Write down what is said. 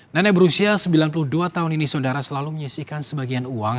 nenek berusia sembilan puluh dua tahun ini saudara selalu menyisikan sebagian uang